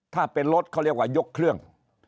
ถ้าเป็นรถเขาเรียกว่ายกเครื่อง